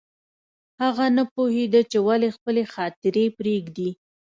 هغه نه پوهېده چې ولې خپلې خاطرې پرېږدي